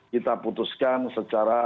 kita putuskan secara